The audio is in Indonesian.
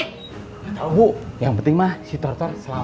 gak tau bu yang penting mah si torter selamat